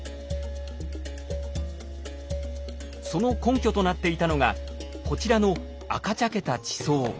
その根拠となっていたのがこちらの赤茶けた地層。